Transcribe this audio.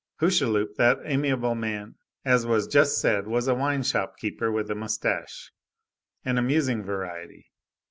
Hucheloup, that amiable man, as was just said, was a wine shop keeper with a moustache; an amusing variety.